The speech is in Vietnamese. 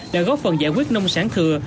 đã góp phần giải quyết nông sản thừa